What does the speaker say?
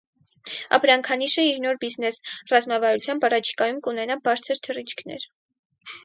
Ապրանքանիշը իր նոր բիզնես ռազմավարությամբ առաջիկայում կունենա բարձր թռիչքներ։